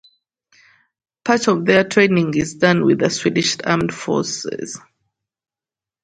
Part of their training is done with the Swedish Armed Forces.